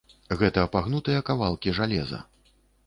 Гэта пагнутыя кавалкі жалеза.